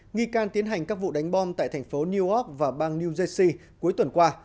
nghi can tiến hành các vụ đánh bom tại thành phố newark và bang new jersey cuối tuần qua